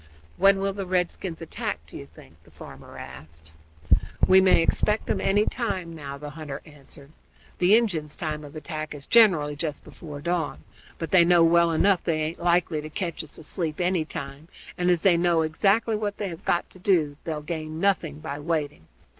"When will the redskins attack, do you think?" the farmer asked. "We may expect 'em any time, now," the hunter answered. "The Injuns' time of attack is generally just before dawn, but they know well enough they aint likely to ketch us asleep any time, and, as they know exactly what they have got to do they'll gain nothing by waiting.